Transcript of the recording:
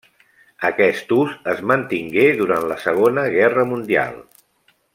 Aquest ús es mantingué durant la Segona Guerra Mundial.